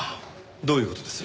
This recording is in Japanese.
どういう事です？